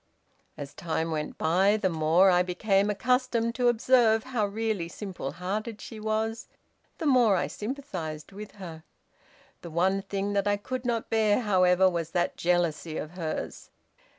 "As time went by, the more I became accustomed to observe how really simple hearted she was, the more I sympathized with her. The one thing that I could not bear, however, was that jealousy of hers.